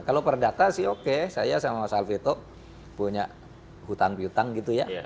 kalau perdata sih oke saya sama mas alvito punya hutang hutang gitu ya